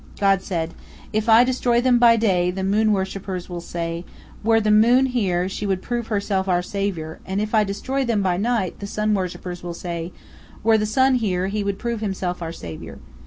God said: "If I destroy them by day, the moon worshippers will say, Were the moon here, she would prove herself our savior; and if I destroy them by night, the sun worshippers will say, Were the sun here, he would prove himself our savior.